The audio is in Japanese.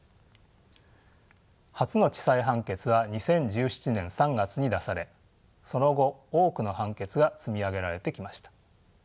初の地裁判決は２０１７年３月に出されその後多くの判決が積み上げられてきました。